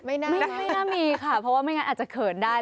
ไม่น่ามีค่ะเพราะว่าไม่งั้นอาจจะเขินได้